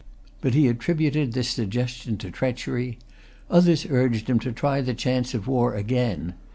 But he attributed this suggestion to treachery. Others urged him to try the chance of war again.